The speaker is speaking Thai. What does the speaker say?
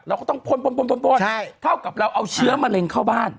เราก็ต้องพนเข้ากับเราเสื้อแมลงเข้าบ้าน